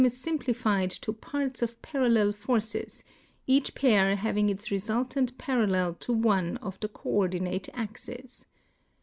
s simplified to pairs of parallel forces, each pair having its result ant parallel to one of the ciiordinate axes.